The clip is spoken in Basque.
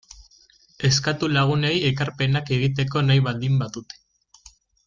Eskatu lagunei ekarpenak egiteko nahi baldin badute.